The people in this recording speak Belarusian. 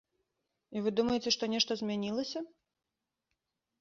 І вы думаеце, што нешта змянілася?